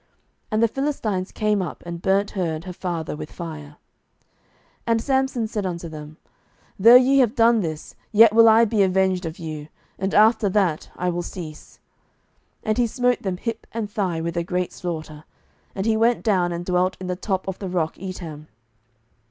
And the Philistines came up, and burnt her and her father with fire. 07:015:007 And Samson said unto them, Though ye have done this, yet will I be avenged of you, and after that I will cease. 07:015:008 And he smote them hip and thigh with a great slaughter: and he went down and dwelt in the top of the rock Etam.